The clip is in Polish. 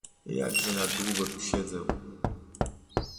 "jakże ja długo tu siedzę!"